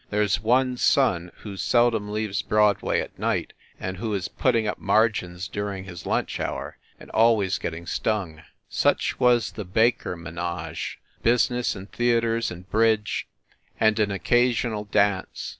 There s one son who seldom leaves Broadway at night, and who is putting up margins during his lunch hour, and al ways getting stung. Such was the Baker menage business and theaters and bridge and an occasional dance.